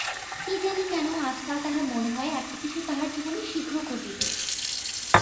কি জানি কেন আজকাল তাহার মনে হয় একটা কিছু তাহার জীবনে শীঘ্ন ঘটিবে।